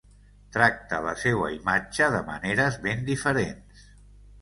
Tracta la seua imatge de maneres ben diferents.